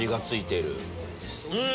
うん！